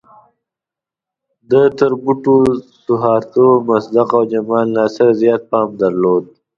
ده تر بوټو، سوهارتو، مصدق او جمال ناصر زیات فهم درلود.